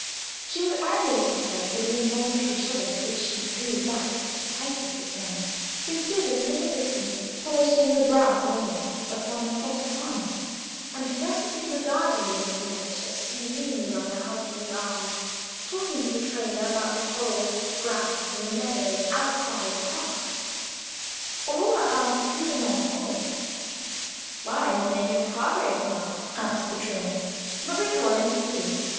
She was angry with herself for the involuntary shudder with which she drew back at the sight of this man, who stood at a little distance polishing the brass ornaments upon a set of harness, and furtively regarding Mrs. Mellish as she leaned on her husband's arm, talking to the trainer about the foals at grass in the meadows outside the Park. Aurora asked who the man was. "Why, his name is Hargraves, ma'am," answered the trainer; "but we call him Steeve.